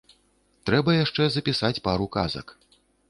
Трэба яшчэ запісаць пару казак.